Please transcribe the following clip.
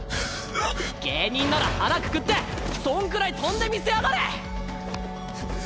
芸人なら腹くくってそんくらい飛んでみせやがれ！